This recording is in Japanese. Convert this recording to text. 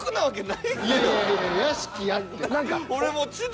いやいや屋敷やって。